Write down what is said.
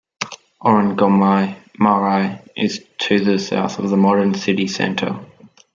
Orongomai Marae is to the south of the modern city centre.